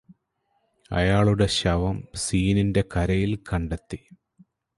അയാളുടെ ശവം സീനിന്റെ കരയില് കണ്ടെത്തി